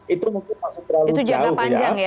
itu mungkin masih terlalu jauh ya